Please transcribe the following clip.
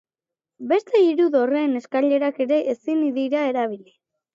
Beste hiru dorreen eskailerak ere ezin dira erabili.